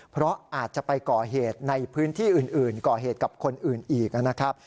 เพราะอาจจะไปก่อเหตุในพื้นที่อื่นก่อเหตุกับคนอื่นอีกนะครับ